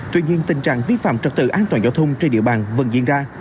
tuy nhiên tình trạng vi phạm trật tự an toàn giao thông trên địa bàn vẫn diễn ra